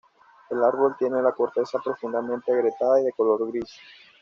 El árbol tiene la corteza profundamente agrietada y de color gris.